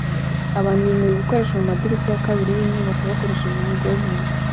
Abantu bimura ibikoresho mumadirishya ya kabiri yinyubako bakoresheje imigozi